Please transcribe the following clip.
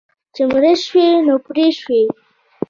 چې مړ شوې، نو پړ شوې.